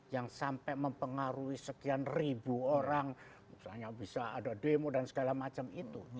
yang sampai mempengaruhi sekian ribu orang misalnya bisa ada demo dan segala macam itu